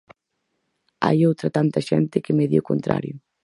Hai outra tanta xente que me di o contrario.